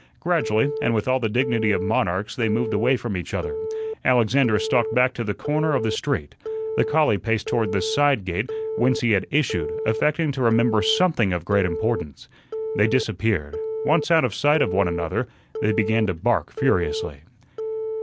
Gradually and with all the dignity of monarchs they moved away from each other. Alexander stalked back to the corner of the street. The collie paced toward the side gate whence he had issued, affecting to remember something of great importance. They disappeared. Once out of sight of one another they began to bark furiously.